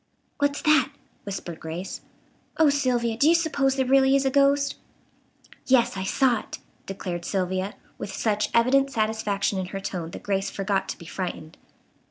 "What's that?" whispered Grace. "Oh, Sylvia, do you suppose there really is a ghost?" "Yes, I saw it," declared Sylvia, with such evident satisfaction in her tone that Grace forgot to be frightened.